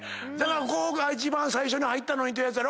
こう一番最初に入ったのにというやつやろ？